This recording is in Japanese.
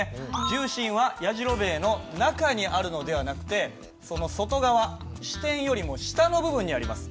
重心はやじろべえの中にあるのではなくてその外側支点よりも下の部分にあります。